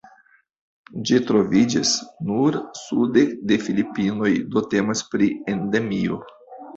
Ĝi troviĝas nur sude de Filipinoj, do temas pri Endemio.